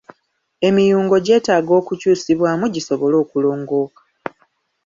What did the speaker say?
Emiyungo gyetaaga okukyusibwamu gisobole okulongooka.